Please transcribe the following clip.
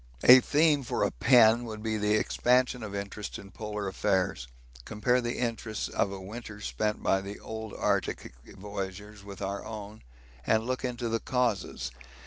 A theme for a pen would be the expansion of interest in polar affairs; compare the interests of a winter spent by the old Arctic voyagers with our own, and look into the causes.